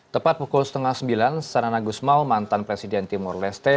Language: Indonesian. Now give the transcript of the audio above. tepat pukul setengah sembilan sanana agus mau mantan presiden timur reste